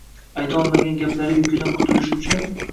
Aytolmagan gaplari yukidan qutulish uchun.